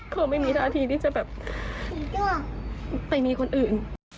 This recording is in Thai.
คือไม่มีท่าทีที่จะแบบไปมีคนอื่น